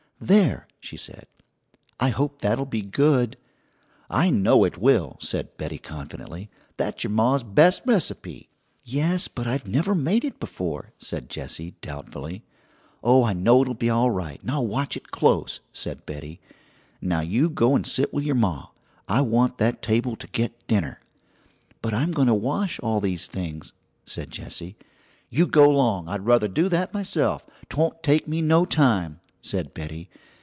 "There!" she said, "I hope that'll be good." "I know it will," said Betty confidently. "That's y'r ma's best receipt." "Yes, but I never made it before," said Jessie doubtfully. "Oh, I know it'll be all right, 'n' I'll watch it close," said Betty; "'n' now you go'n sit with y'r ma. I want that table to git dinner." "But I'm going to wash all these things," said Jessie. "You go long! I'd ruther do that myself. 'Twon't take me no time," said Betty.